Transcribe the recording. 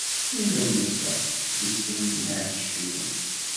Nella nezdeɣ deg sin n iɛecciwen.